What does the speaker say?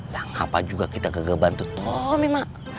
kenapa juga kita gagal bantu tomi mak